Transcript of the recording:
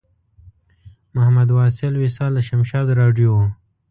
محمد واصل وصال له شمشاد راډیو و.